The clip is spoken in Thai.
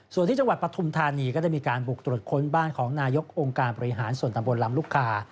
ส่วนที่จังหวัดปฐุมธานีก็ได้มีการบุกตรวจค้นบ้านของนายกองค์การบริหารส่วนตำบลลำลูกคา